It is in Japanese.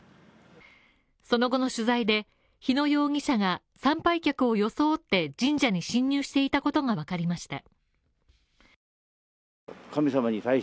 その後の取材で、日野容疑者が参拝客を装って神社に侵入していたことが分かりました。